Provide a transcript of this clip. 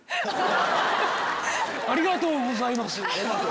ありがとうございます。